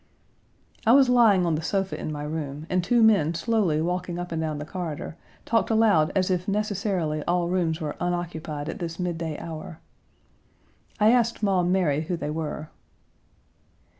I was lying on the sofa in my room, and two men slowly walking up and down the corridor talked aloud as if necessarily all rooms were unoccupied at this midday hour. I asked Maum Mary who they were.